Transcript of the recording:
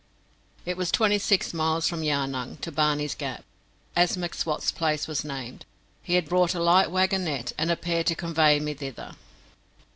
It was twenty six miles from Yarnung to Barney's Gap, as M'Swat's place was named. He had brought a light wagonette and pair to convey me thither.